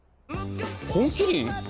「本麒麟」